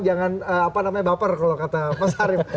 jangan apa namanya baper kalau kata pak sarip